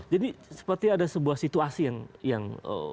jadi seperti ada sebuah situasi yang